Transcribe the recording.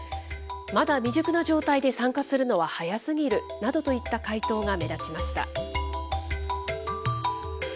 まだ未熟な状態で参加するのは早すぎるなどといった回答が目立ちました。